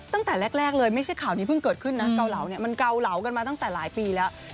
ตั้งแต่แรกเลยไม่ใช่ข่าวนี้เพิ่งเกิดขึ้นนะเกาเหลาเนี่ยมันเกาเหลากันมาตั้งแต่หลายปีแล้ว